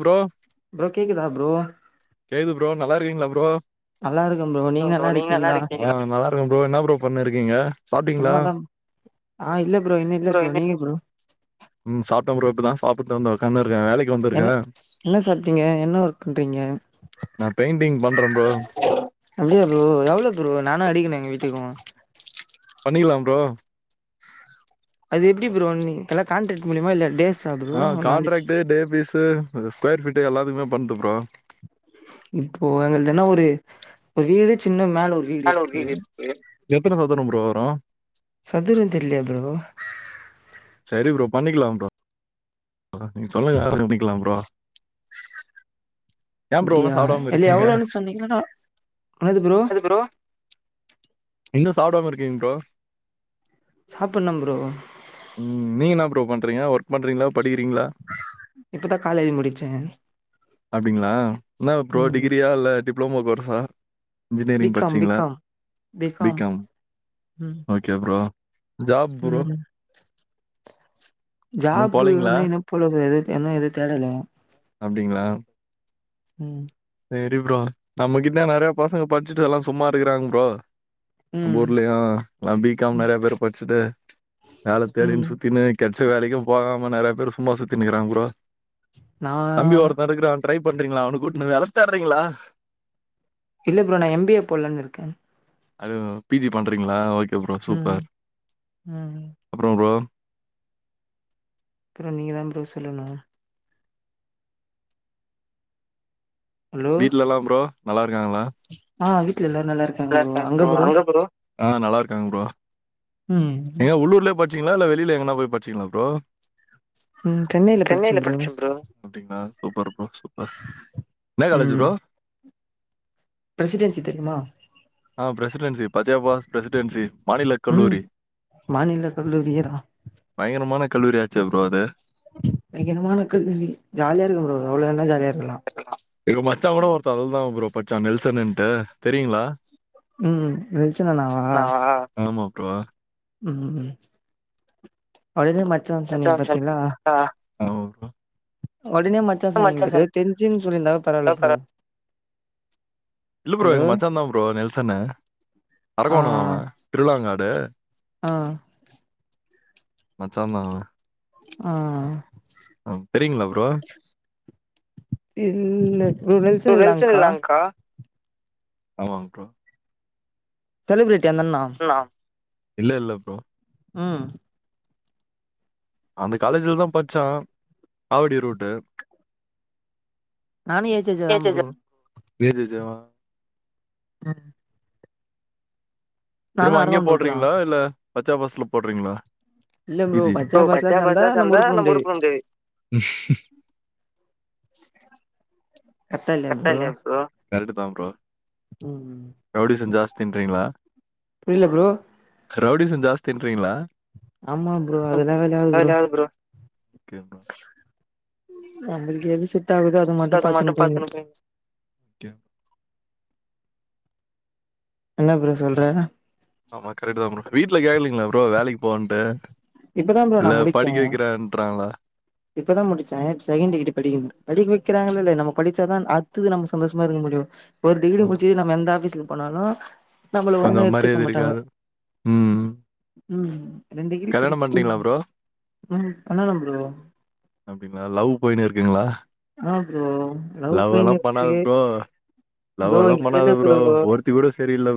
Bro bro கேக்குதா bro கேக்குது bro நல்லா இருக்கீங்களா ப்ரோ இருக்கேன் ப்ரோ நீங்க நல்லா இருக்கீங்களா நல்லா இருக்கன் ப்ரோ என்ன ப்ரோ பண்ணி இருக்கீங்க சாப்டீங்களா சும்மாதா ஆ இல்ல ப்ரோ இன்னு இல்ல ப்ரோ நீங்க ப்ரோ உம் சாப்டேன் ப்ரோ இப்பதான் சாப்பிட்டு வந்து உக்காந்தன் என்ன என்ன சாப்டீங்க என்ன ஒர்க் பண்றீங்க நா பெயிண்டிங் பண்றே ப்ரோ அப்பிடிய ப்ரோ எவ்ளோ ப்ரோ நானு அடிக்கணும் எங்க வீட்டுக்கும் பண்ணிக்கலாம் புரோ அது எப்டி புரோ எல்லா காண்ட்ராக்ட் மூலியமா இல்ல டேஸ் ஆ காண்ட்ராக்டு டே ஃபேஷ் ஸ்கொயர் ஃபீட்டு எல்லாத்துக்குமே பண்டுருக்கோ இப்போ எதனா ஒன்னு வீடு சின்ன மேல ஒரு வீடு இருக்கு எத்தன சதுரம் ப்ரோ ப்ரோ சதுரம் தெரியல ப்ரோ சரி ப்ரோ பண்ணிக்கலாம் ப்ரோ நீங்க சொல்லுங்க பண்ணிக்கலாம் ப்ரோ ஏ ப்ரோ இன்னு அப்பிடியா சாப்டாம இது இருக்கீங்க எவ்ளோ சொன்னீங்கன்னா என்னது ப்ரோ இன்னும் சாப்படாம இருக்கீங்க ப்ரோ சாப்புணும் ப்ரோ ம் நீங்க என்ன பண்றீங்க ஒர்க் பண்றீங்களா படிக்கிறீங்களா இப்பதா காலேஜ் முடிச்சே அப்பிடிங்களா என்ன ப்ரோ ம் டிகிரியா இல்ல டிப் ப்ரோ மோ வைஃப்பா பி இன்ஜினியரிங் காம் பி படிச்சீங்களா காம் பி காம் ம் ஓகே ப்ரோ ஜாப் ப்ரோ இன்னும் போலீங்களா? ஜாபுன்னு என்ன இது போலவே என்ன எது தேடல அப்டிங்ளா ம் சேரி ப்ரோ நம்மகிட்ட நறைய பசங்க படிச்சிட்டு எல்லா சும்மா இருக்கிறாங்க ப்ரோ நம்ப ம் ஊர்லயு எல்லா பி காம் நறைய பேர் படிச்சுட்டு வேல தேடினு ம் சுத்தினு கெடச் ச்ச வேலைக்கு போகாம நறைய பேர் சும்மா சுத்தின்னு இருக்றங்க ப்ரோ நா தம்பி ஒருத்த இருக்குறா ட்ரை பண்றீங்ளா அவன கூட்டுனு வேல தேடுறீங்ளா இல்ல ப்ரோ நா எம் பி ஏ போட்லானு இருக்கே அது பி ஜி பண்றீங்ளா ஓகே ஓகே ப்ரோ ம் சூப்பர் ம் அப்றோ ப்ரோ அப்பற நீங்க தா ப்ரோ சொல்லணு ஹலோ வீட்லலா ப்ரோ, நல்லா இருக்காங்ளா? ஆ வீட் ட்ல எல்லாரு நல்லா இருக்காங்க ப்ரோ, அங்க ப்ரோ ஆ நல்லா இருக்காங்க ப்ரோ ம் டீங்களா இல்ல வெளியில எங்கனா போய் பாச்சீங்களா ப்ரோ சென்னையில படிச்சே ப்ரோ பாருப்பா சூப்பர் என்னா காலேஜி ம் ப்ரோ பிரசிடென்சி தெரியுமா ஆஹ் பிரெசிடென்சி பச்யப்பாஸ் பிரசிடென்சி மாநில உம் கல்லூரி. மாநில கல்லூரியேதா பயங்கரமான கல்லூரி ஆச்சே ப்ரோ அது பயங்கரமான கல்லூரி ஜாலியா இருக்கு ப்ரோ அவ்ளோ நல்லா ஜாலியாருக் [inaudible] எங்க மச்சா கூட ஒருத்தவ அதுலதா ப்ரோ பட்ச்சா நெல்சன்ட்டு தெரியுங்களா உம் நெல்சன் அண்ணா வா நானா? ஆமா ப்ரோ உம் உ அவ என் மச்சான் சொன்னீங்க பாத்தீங்களா ஒடனே மச்சா சொன்னீங்க பரு தெருஞ்சின்னு சொல்லியிருந்தாவே பரவால்ல சொன்னான் ப்ரோ பரவா இல்ல ப்ரோ எங்க மச்சான்ந்தா ப்ரோ நெல்சன்னு அரக்கோண திருவிழாங்காடு மச்சாந்தா அவ ஆஹ் தெரியுங்களா ப்ரோ? இந்த என் நெல்சன் இல்லங்கா ஆமாங் ப்ரோ செலிபிரிட் கே அந்தண்ணா அண்ணா. இல்ல இல்ல ப்ரோ ம் அந்த காலேஜ்லதா பச்சா ஆவுடி ரூட்டு நானு [unintelligible] ப்ரோ வே ஜெ ஜெ வா ம் திரும்ப அங்கேயே அரகோணம் ரூட்டு தா போடுறீங்களா இல்ல பச்சா பாஸ்ல போடுறீங்களா இல்ல ப்ரோ பஜா இப்ப பஸ் ல பச்சா பாஸ்ல சேந்தா ஊருக்கு போக நம்ம உருப்புட முடியாது உ கரெக்டா இல்லையா ப்ரோ கரெக்டு தான் ப்ரோ உம் ரவுடிசம் ஜாஸ்தின்றீங்களா புரியல ப்ரோ ரௌடியூசன் ஜாஸ்தின்றீங்களா ஆமா ப்ரோ அதெல்லாம் வேலாவது ப்ரோ ஓகே ப்ரோ நம்மளுக்கு எது செ ட் ஆகுதோ அதை மட்டும் அது பத்துன்னு போயனு பார்த்துன்னு போய் ஓகே என்ன ப்ரோ சொல்ற ஆமா கரெக்ட் தான் ப்ரோ வீட்டு்ல கேக்க்கலீங்களா ப்ரோ வேலைக்கு போகன்ட்டு இப்பதான் ப்ரோ இல்ல நான் படிக்க முடிச்சேன் வைக்கிறேன்றாங்களா இப்பதான் முடிச்சேன் செகண்ட் டிகிரி படிக்கணும் படிக்க வைக்கிறாங்கள இல்ல நம்ம படிச்சாதான் அத்துது நம்ம சந்தோஷமா இருக்க முடியும் ஒரு டிகிரி முடிச்சுது நம்ம எந்த ஆஃபிஸ்ல போனாலும் நம்மள ஒண்ணும் கொஞ்சம் எத்துக்க மரியாதை மாட்டாங்க இருக்காது ம் உம் ரெண்டுகிரி படி டீங்களா ப்ரோ அப்படிங்களா லவ் பொயனு இருக்குங்க ளா ஆ ப்ரோ லவ் பொய்னு பண்ணாத இருக்கு ப்ரோ லவ் ப்ரோ எல்லா இங்க பண்ணாத கேளு ப்ரோ ஒருத்தி கூட சரியில்ல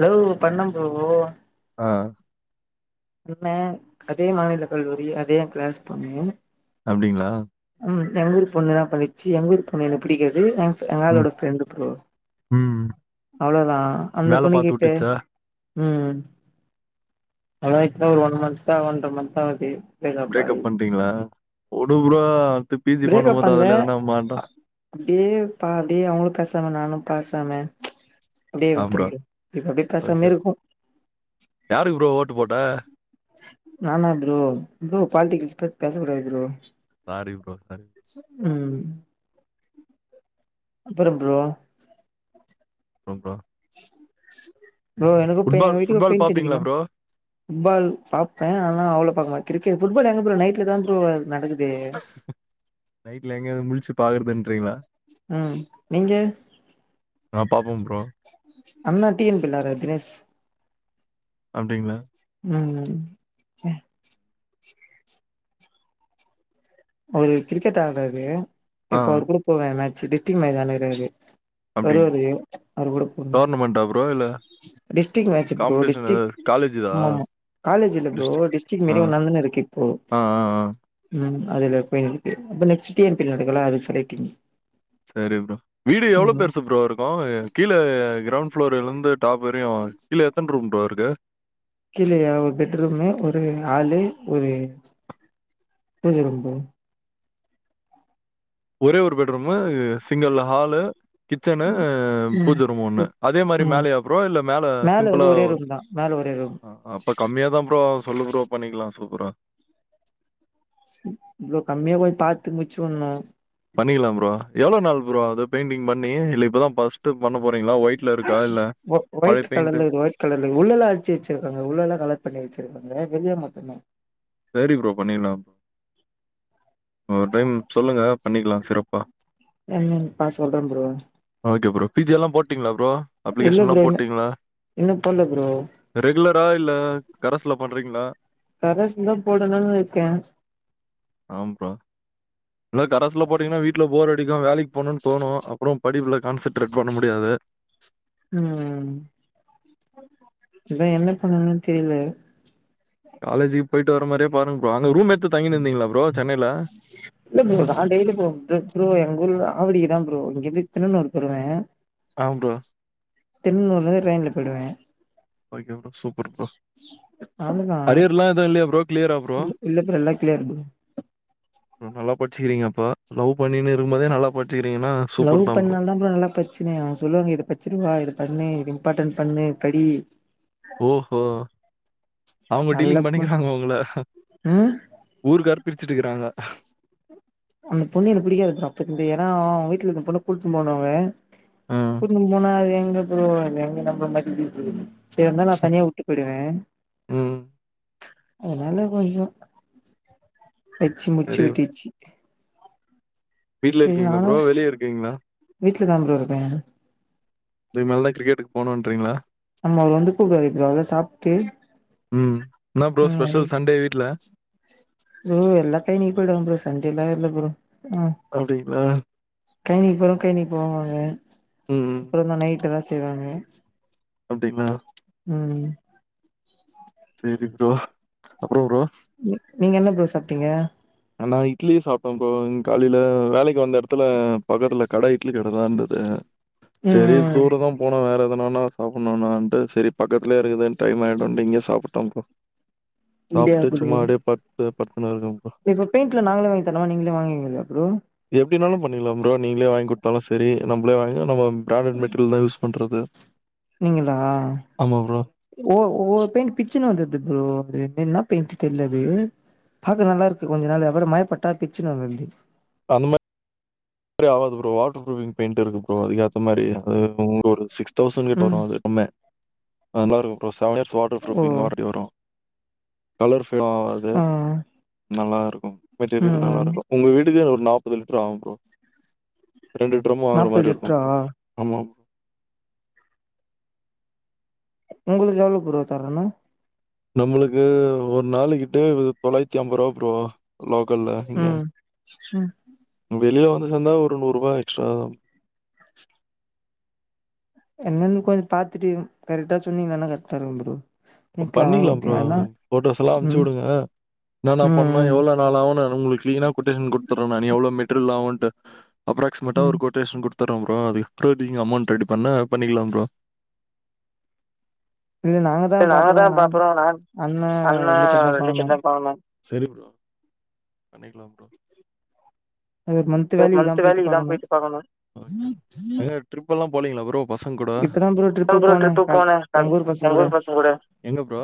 லவ் பண்ண ப்ரோ ஆ. என்ன அதே மாநில கல்லூரி அதே எ க்ளஸ் பொண்ணு அப்டிங்ளா ம் எங்க ஊர் பொண்ணுல்லா பண்ணிச்சு எங்க ஊர் பொண்ணு எனக்கு பிடிக்காது ம், எங்காளோட ஃப்ரெண்டு் ப்ரோ ம். அவ்ளதா அந்த வேல பொண்ணு பாத்து கிட்ட வுட்டுச்சா? ம் அதா இப்பதா ஒரு ஒன் மந்த் தா ஒன்ற மந்த் ஆவுது பிரேக்கப் பண்டீங்ளா உடு ப்ரோ பிஜி பிரேக்கப் பண்ணும்போது பண்ல அதுல எதனா மாட்டும். அப்டியே பா அப்டியே அவங்களு பேசாம நானும் பாசாம அப்டியே விட்ட ப்ரோ இப்ப அப்டி ஓகே பேசாமயே ப்ரோ. இருக்கோ யாருக்கு ப்ரோ ஓட்டு போட்ட? நானா ப்ரோ ப்ரோ பாலிட்டிகல்ஸ் பத்தி பேச கூடாது ப்ரோ சாரி ப்ரோ சாரி ம் அப்புறோ ப்ரோ போ ப்ரோ ப்ரோ எனக்கு இப்ப எங்க ஃபுட்பால் வீட்டுக்கு ஃபுட்பால் பெயின்ட் பாப்பீங்களா அடிக்கணு ப்ரோ? ஃபுட்பால் பாப்ப அதனா அவ்ளோ பாக்க மாட் கிரிக்கெட் ஃபுட்பால் எங்க ப்ரோ நைட்ல தா ப்ரோ நடக்குது நைட்ல எங்கேயாவது முழிச்சு பாக்றது ரிங்ளா ம் நீங்க நான் பாப்பேன் ப்ரோ. அண்ணா டீன் பிள்ளாரு தினேஷ் அப்டிங்ளா ம் ஒரு கிரிக்கெட் ஆகாது ஆ. இப்ப அவரு கூட போவ ம ச்சு டிஸ்டிக் மச் [unintelligible] அப்டிங்களா? வருவாரு அவரு கூட போவ டோர்னமெண்ட்டா ப்ரோ? இல்ல district match bro competition district ஏதாவது காலேஜ் இதா? ஆமாமா காலேஜ் இல்ல ப்ரோ டிஸ்ட்ரிக்ட். டிஸ்டிக் ஆ. மரி ஒன்னாந்தான இருக்கு இப்போ ஆ, ஆ, ஆ. ம் அதுல போய் இருக்கு இது நெக்ஸ்ட் டியன்பி நடக்குல அது செலக்டிங்க சரி ப்ரோ வீடு எவ்ளோ பெருசு ப்ரோ இருக்கு கீழ க்ரௌண்ட் ஃபுளோர்லிருந்து தாப்பெரிய இல்ல எத்தன ரூம் டோருக்கு கீழயா ஒரு பெட்ரூமு ஒரு ஹால்லு ஒரு பூஜ ரூம் ஒரே ஒரு பெட்ரூமா சிங்கிலா ஹாலு கிச்சன்னு ம் பூஜ ம் ரூம் ஒண்ணு ம் அதே மாதிரி ம் மேலேயா புரோ இல்ல மேல சிம்பிளா வந்து ஒரே ரூம் தா மேல ஒரே ரூம் அப்ப கம்மியாதான் ப்ரோ ஆகும் சொல்லு ப்ரோ பண்ணிக்கலாம் சூப்புரா இவ்வளோ கம்மியா போய் பாத்து முடிச்சுவிடுணு பண்ணிக்கலாம் ப்ரோ எவ்ளோ நாள் ப்ரோ ஆகுது பெயிண்டிங் பண்ணி இல்லே இப்பதான் ஃபர்ஸ்ட் பண்ண போறிங்ளா ஒ ஒயிட் பெயிண்ட்டு? கலர்ல இருக்குது ஒயிட் கலர் இருது உள்ள எல்லாம் அடிச்சு வெச்சிருக்காங்க உள்ள எல்லாம் கலர் பண்ணி வெச்சிருக்காங்க வெளிய மட்டும் தான் சரி ப்ரோ பண்ணிர்லாம் ஒரு டைம் சொல்லுங்க பண்ணிக்கலாம் சிறப்பா என்னன் பா சொல்றே bro okay bro P G எல்லாம் போட்டீங்ளா புரோ இல்ல அப்ளிகேஷன் எல்லாம் ப்ரோ இன்னு போட்டீங்களா இன்னு போட்ல ப்ரோ ரெகுலரா இல்ல கரஸ்ல போ போட்றீங்களா கரஸ்தா போடணுன் இருக்கே ஆம்ப்பா இல்லே கரஸுலே போட்டீங்கன்னா வீட்டுல போ வேலைக்கு போகணும் தோணும் அப்புறம் படிப்புல கான்சென்ட்ரேட் பண்ண முடியாது உம் இதான் என்ன பண்ணும்னு தெரில காலேஜுக்கு போயிட்டு வர மாரியேப் பாருங்க ப்ரோ அங்க ரூம் எடுத்து தங்கிருந்தீங்களா ப்ரோ சென்னையில இல்ல ப்ரோ நா டெய்லி போவே ப்ரோ எங்கூர்ல ஆவடிக்கு தா ப்ரோ இங்கருந்து திருநூருக்கு வருவே ஆ ப்ரோ திருநூர்லேந்து ட்ரெயின்ல போயிடுவே ஓகே ப்ரோ சூப்பர் ப்ரோ அவ்ளோதா அரியர்லா எதூ இல்லயே ப்ரோ க்ளியர இல்ல ப்ரோ எல்லா க்ளியர் ப்ரோ நல்லா படிச்சிருக்கீங்கப்போ லவ் பண்ணின்னு இருக்கும்போதே நல்லா படி லவ் பண்ணால் தா நல்லா படிச்சினு அவுங்க சொல்லுவாங்க இது படிச்சிருவா இது பண்ணு இது இம்பார்டன்ட் பண்ணு படி ஓஹோ அவங்க நல்ல டீலிங் பொண் பண்ணிக்கிறாங்க உங்கள ம் ஊருக்கார் பிரிச்சுட்டுக்கறாங்க ஆ [inaudible] அந்த பொண்ணு எனக்கு பிடிக்காது ப்ரோ அப்பந்து ஏனா அவுங்க வீட்லருந்து பொண்ணு கூட்டு போனா அவ ஆ. கூட்டு போனா அது எங் [unintelligible] செர்ந்தா நா தனியா விட்டு போயிடுவே ம் அத்னால கொஞ்சோ வெச்சி முடிச்சு விட்டிச்சி [inaudible] வீட்லருக்கீங்ளா ப்ரோ வெளிய இருக்கீங்ளா வீட்ல தா ப்ரோ இருக்கே இதுக்கு மேலதா கிரிக்கெட்டுக்கு போனோன்றீங்ளா ஆமா அவரு வந்து கூப்டுவாரு ப்ரோ அதா சாப்ட்டு ம் என்ன ப்ரோ ஸ்பெஷல் சண்டே வீட்ல ஓ எல்லா கை நீ படூ ப்ரோ சண்டேல்லா இல்ல கப்ரோ அப்டின்னா கைனி போறோ கைனி போவாங்க அப்றோந்தா நைட்டு தா செய்வாங்க [inaudible] அப்டிங்ளா ம் சரி ப்ரோ அப்றோ ப்ரோ நீ நீங்க என்ன ப்ரோ சாப்பிட்டீங்க ஆ நா இட்லிய சாப்ட்டே ப்ரோ காலில வேலைக்கு வந்தெடத்துல பக்கத்துல கட இட்லி கடதா இருந்துது ம் செரி ம் தூர தா போனோ வேறெத் தனனா சாப்டணுனான்ட்டு சரி பக்கத்துலயே இருக்குதுன்னு டைம் ஆயிடூன்ட்டு இங்கயே சாப்ட்டே ப்ரோ இப்டியா சாப்ட்டு ப்ரோ சும்மா அப்டியே பட்டு துனு இருக்கே ப்ரோ பெயிண்ட்ல நாங்களே வாங்கி தரணா நீங்களே வாங்குவீங்ளா ப்ரோ அப்டினாலு பண்ணிட்லா ப்ரோ நீங்களே வாங்கி குடுத்தாலு சரி நம்ளே வாங் நம்ம [unintelligible] பண்றது நீங்கலா ஆமா ப்ரோ ஓ [unintelligible] பிட்ச்சர் பிச்சன வந்துது ப்ரோ அது எப்டி [unintelligible] ன்ட்டு தெர்லது பாக்க நல்லாருக்கு கொஞ்ச நாளு அப்ற மழ பட்டா பிச்சுன்னு வந்ருந்து அதுமே ஆவாது ப்ரோ வாட்டர் பரூப் பெயிண்ட்டுருக்கு ப்ரோ அதுக்கெத்த மாரி அது உங்க ஒரு சிக்ஸ் தௌசண்ட் கிட்ட ம் வரு [unintelligible] அது நல்லாருக்கு செவன் இயர்ஸ் ஓ [unintelligible] வரு கலர் [unintelligible] ஆவாது ஆ நல்லா இருக்கும். ம் மெட்டீரியல் ம் நல்லாருக்கு உங்க வீட் தே ஒரு நாப்பது லிட்டர் ஆவு ப்ரோ ரெண்டு டிரம்மு வாங்குற நாப்பது லிட்ரா மாரிருக்கு ஆமா உங்ளுக்கு எவ்ளோ ப்ரோ தரணு நம்ளுக்கு ஒரு நாள் கிட்ட தொளாயிரத்தம்பரூவா ப்ரோ லோக்கல்ல இங்க ம் ம் வெளில வந்து சேந்தா ஒரு நூரூபா எக்ஸ்ட்ரா தா என்னன் கொஞ்சோ பாத்தட்டு எங் கரெக்டா சொன்னீங்னா கரெக்டா இருக்கு ப்ரோ வீட்ல பண்ணிக்கலா வாங்கிட்டு ப்ரோ அதா ஃபோட்டோஸ் எல்லா அம்ச்சு ம் வுடுங்க இன்னனா ம் பண்ணு ம் எவ்ளோ நாளாவுன் நா உங்ளுக்கு கிளீயரா கொட்டேஷன் குடுத்துட்றே நா எவ்ளோ மெட்டீரியல் ஆவுன் ட்டு அப்ராக்சிமட்டா ம் ஒரு கொட்டேஷன் குடுத் தரோ ப்ரோ அதுக்கப்பற நீங்க அமௌண்ட் ரெடி பண்ணா பண்ணிக்கலா ப்ரோ இல்ல நாங்க தா இல்ல நாங் பாக்குறோ நான் தா அண்ணா ரெண்டு பேர் தா பாக்கணு [unintelligible] சரி ப்ரோ பண்ணிக்கலா ப்ரோ அது ஒரு மந்த் வேலைக்கு தா [unintelligible] போயிட்டு வேல இதா போய்ட்டு பாக்கணு [unintelligible] ட்ரிப்பெலா போனீங்ளா ப்ரோ பசங்கூட இப்பதா இப்ப ட்ரிப்பு தா ப்ரோ போனே ட்ரிப்புக்கு கால் போன நா எங்க பசங்க எங் கூட ஊர் எங்க ப்ரோ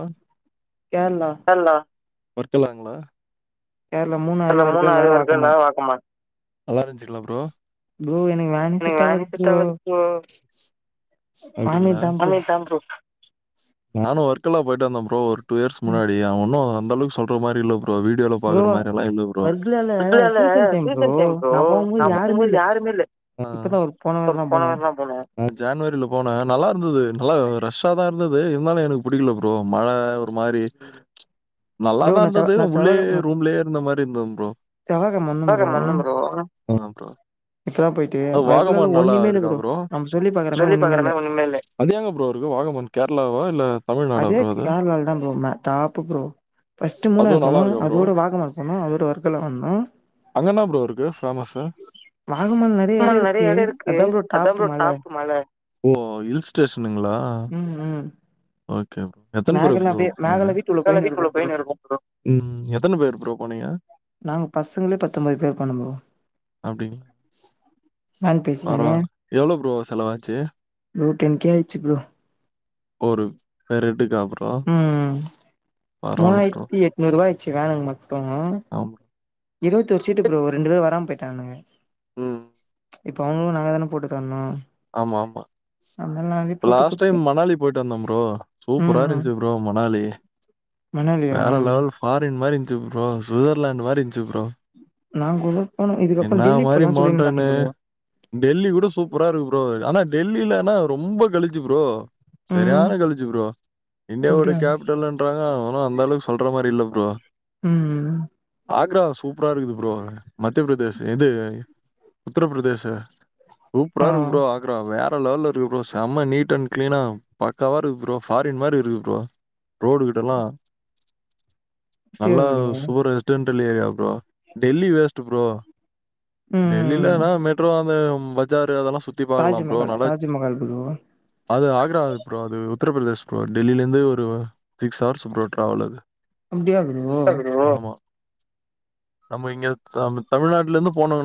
கேரளா [unintelligible] தாங்கலா கேரளா மூணாறு வர்கலா நல்லாருன் வாகமான் ச்சிங்லா ப்ரோ ப்ரோ எனக்கு வேனே செட் ஆகாது ப்ரோ அப்டிங்களா வாமிட் தா ப்ரோ நானு ஒர்க்கெல்லா போயிட்டு வந்த ப்ரோ ஒரு டூ இயர்ஸ்க் ம். முன்னாடி அ ஒன்னு அந்தளவு சொல்ற மாதிரி இல்ல வீடியோல ப்ரோ பாக்றமாரி வர்கலால சீசன் டைம் புரே நாங்க போகு போது யாருமே இல்ல இப்பதா ஒரு போன வாரந்தா போனே போனவாரதா போன நா ஜான்வரில போனே நல்லா இருந்தது நல்லா ரஷ்ஷா தான் இருந்து து இருந்தாலு எனக்கு புடிக்கல ப்ரோ மழை ஒரு மாதிரி ப்ரோ நா நல்லாதாஇருந்தது செவ் நா உள்ளேயே செவ்வாகெழம ரூம்லயே அந்த மாதிரி இருந்துது செவ்வாகெழம வந்தே ப்ரோ ப்ரோ இப்பதா போயிட்டு வர்கலால வாகமான் நல்லா ஒண்ணுமே இல்ல இருக்கா ப்ரோ நம்ம சொல்லி பாக்குற மாரி ஒண்ணுமே இல்ல அது எங்க ப்ரோ இருக்கு வாகமான் கேரளாவா இல்ல தமிழ்நாடா அதே ப்ரோ அது கேரளால தா bro top bro first Munnar அதுவு போனோ நல்லா இருக்கா ப்ரோ அதோட வாகமான் போனோ அதோட வர்கலா வந்தோ அங்க வாகமான் நெறைய எடோ நிறய இட இருக்கு அதா ப்ரோ டாப்பு அதாங்க டாப் மல ம் ம் வா ட் எத்தனை பேர் மேகலா ப்ரோ அப்டியே போனீங்க மேகலா வீட்டுக்குள்ள போயினு இருக்கோ ப்ரோ எத்தனை பேர் ப்ரோ உன்னைய நாங்க பசங்களே பத்தொன்பது பேர் போண்ணோ அப்டிங்களா? பரவால்ல. எவ்ளோ ப்ரோ செலவாச்சு? ப்ரோ [unintelligible] டென் கே ஆயிச்சு ப்ரோ ஒரு பெரட்டு காப்பு உம் ப்ரோ. மூவாயிரத்தி எட்நூறுவா ஆயிச் ம [unintelligible] ம் ஹ் ஆமா. இருபத்தி ஒரு சீட்டு ப்ரோ ரெண்டு பேரு வராம போயிட்டானுங்க ம். இப்ப அவங்களுக்கு நாங்க தானே போட்டு தரணு ஆமா ஆமா அதனால நாங்களே போட்டு லாஸ்ட் டைம் குடுத்தே மணாலி போயிட்டு வந்தோம் ப்ரோ ம் சூப்பரா ம் இருந்துச்சு ப்ரோ மணாலி மணாலியா வேற லெவல் ஃபாரின் மாதிரி ப்ரோ சுவிட்சர்லாந்து் மாறி இருந்துச் ப் ரோ நான் கூட போனு இதுக்கப்புறம் என்ன டெல்லி மாதிரி போலான்னு சொல்லியிருந்தாங்க மவுண்டன் ப்ரோ டெல்லி கூட சூப்பரா இருக்கு ப்ரோ ஆனா டெல்லில ரொம்ப கழிச்சு பரோ ம் சரியான கழிச்சு ப்ரோ இந்தியாவோட அப்டியா கேபிடல்ன்றாங்க அவனும் அந்த அளவுக்கு சொல்ற மாதிரி இல்ல ப்ரோ ம் ஆக்ரா சூப்பர இருக்குது பரோ மத்தியபிரதேச இது உத்தரப்பிரதேச சூப்பரா ஆ இருக்கு ப்ரோ ஆக்ரா வேற லெவல்லஇருக்கு ப்ரோ செம்ம நீட் அண்ட் கிளீனா பக்காவா இருக்கு ப்ரோ ஃபாரின் மாதிரி இருக்கு ப்ரோ ரோடு கீடல்லா அப்டியா நல்லா ப்ரோ சுவரேட்டான் டெல்லியா ப்ரோ டெல்லி வேஸ்ட் ப்ரோ ம் டெல்லிலனா மெட்ரோ ஆ பஜாரு அதெல்லா தாஜ்மஹால் தாஜுமஹால் ப்ரோ அது ஆக்ரா ப்ரோ அது உத்தரப்ரதேஷ் ப்ரோ டெல்லிலருந்து ஒரு சிக்ஸ் ஹவர்ஸ் ப்ரோ ட்ராவல் அது அப்டியா ப்ரோ ப்ரோ ஆமாம் நம்ம இங்க த தமிழ்நாட்லேருந்து போனோ